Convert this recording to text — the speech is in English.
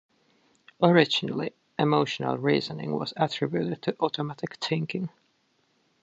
Originally, emotional reasoning was attributed to automatic thinking.